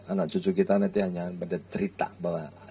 anak cucu kita nanti hanya bercerita bahwa